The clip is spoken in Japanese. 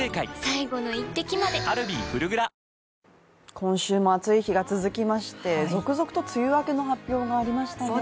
今週も暑い日が続きまして、続々と梅雨明けの発表がありましたね。